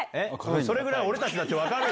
それぐらい俺たちだって分かるよ。